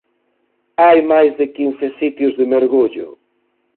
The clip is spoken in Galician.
Hai máis de quince sitios de mergullo.